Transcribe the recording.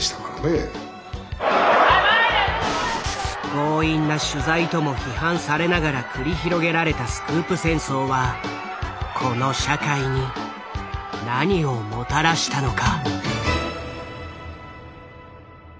強引な取材とも批判されながら繰り広げられたスクープ戦争はこの社会に何をもたらしたのか？